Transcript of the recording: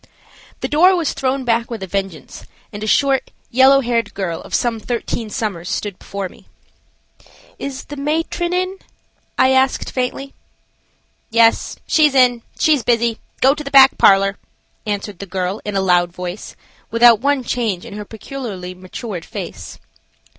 The door was thrown back with a vengeance, and a short, yellow haired girl of some thirteen summers stood before me. "Is the matron in?" I asked, faintly. "Yes, she's in; she's busy. Go to the back parlor," answered the girl, in a loud voice, without one change in her peculiarly matured face.